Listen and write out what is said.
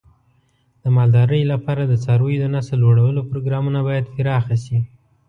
د مالدارۍ لپاره د څارویو د نسل لوړولو پروګرامونه باید پراخ شي.